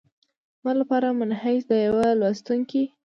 زما لپاره منحیث د یوه لوستونکي